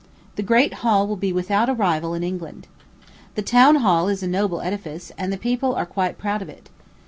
The great hall will be without a rival in England. The town hall is a noble edifice, and the people are quite proud of it.